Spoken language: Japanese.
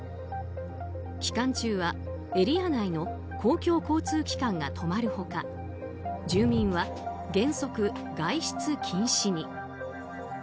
期間中はエリア内の公共交通機関が止まる他住民は原則外出禁止に。